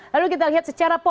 lalu kita lihat secara